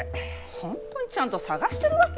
本当にちゃんと探してるわけ？